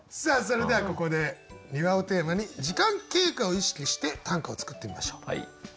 それではここで「庭」をテーマに時間経過を意識して短歌を作ってみましょう。